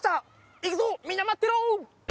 行くぞ、みんな待ってろ！